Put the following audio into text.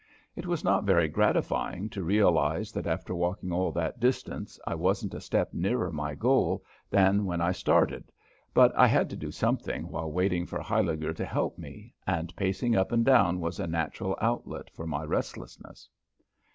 It was not very gratifying to realize that after walking all that distance I wasn't a step nearer my goal than when I started, but I had to do something while waiting for Huyliger to help me, and pacing up and down was a natural outlet for my restlessness.